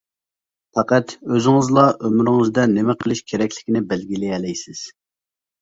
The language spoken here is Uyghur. پەقەت، ئۆزىڭىزلا ئۆمرىڭىزدە نېمە قىلىش كېرەكلىكىنى بەلگىلىيەلەيسىز.